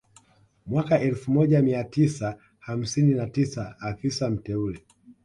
Mwaka elfu moja mia tisa hamsini na tisa afisa mteule